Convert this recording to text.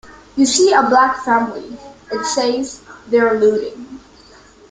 You see a black family, it says, 'They're looting.